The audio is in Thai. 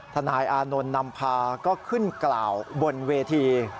นายอานนท์นำพาก็ขึ้นกล่าวบนเวที